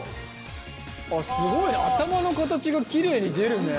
あっすごいね頭の形がきれいに出るね。